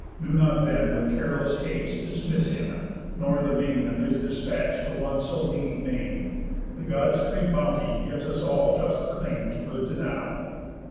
Do not then With careless haste dismiss him, nor the main Of his dispatch to one so needy maim, The Gods' free bounty gives us all just claim To goods enow."